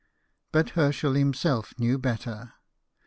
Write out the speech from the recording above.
But Herschel himself knew better.